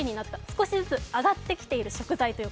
少しずつ上がってきている食材。